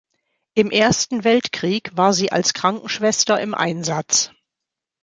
Im Ersten Weltkrieg war sie als Krankenschwester im Einsatz.